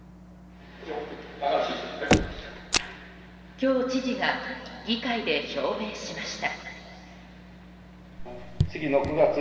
今日、知事が議会で表明しました。